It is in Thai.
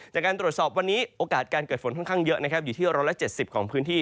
จากการตรวจสอบวันนี้โอกาสการเกิดฝนค่อนข้างเยอะนะครับอยู่ที่๑๗๐ของพื้นที่